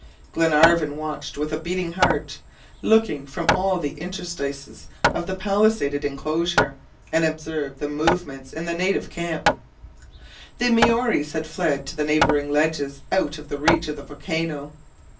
Glenarvan watched with a beating heart, looking from all the interstices of the palisaded enclosure, and observed the movements in the native camp. The Maories had fled to the neighboring ledges, out of the reach of the volcano.